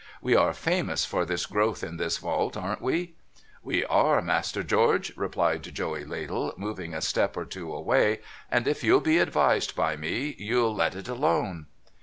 ' We are famous for this growth in this vault, aren't we ?'' We are, Master George,' replied Joey Ladle, moving a step or two away, ' and if you'll be advised by me, you'll let it alone.'